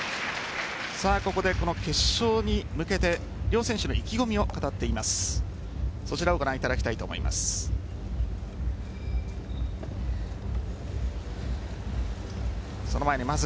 ここで、決勝に向けて両選手が意気込みを語っています。